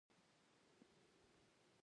او دايې مينه ده.